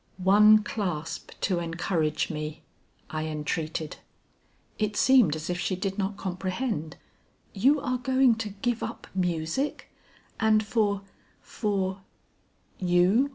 "One clasp to encourage me," I entreated. It seemed as if she did not comprehend. "You are going to give up music, and for for " "You?"